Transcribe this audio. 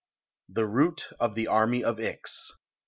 THE ROUT OF THE ARMY OP IX.